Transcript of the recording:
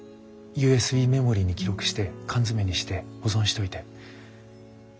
ＵＳＢメモリに記録して缶詰にして保存しといて。